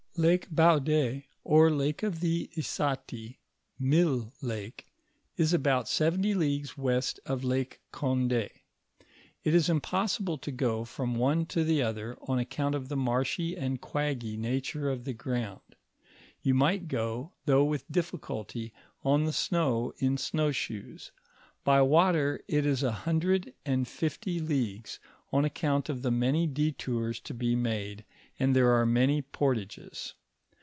Lake Buade, or Lake of the Issati (Mille lake), is about seventy leagues west of Lake OondS ; it is impossible to go from one to the other on account of the marehy and quaggy nature of the ground ; you might go, though with difficulty on the snow in snowshoes ; by water it is a hundred and fifty leagues, on account of the many detours to be made, and there are many portages.